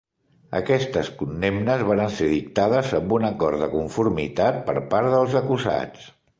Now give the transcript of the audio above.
Aquestes condemnes vares ser dictades amb un acord de conformitat per part dels acusats.